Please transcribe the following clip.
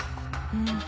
うん。